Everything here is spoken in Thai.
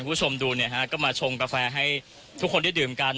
คุณผู้ชมดูเนี่ยฮะก็มาชงกาแฟให้ทุกคนได้ดื่มกัน